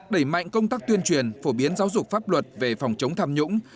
đẩy mạnh công tác tuyên truyền phổ biến giáo dục pháp luật về phòng chống tham nhũng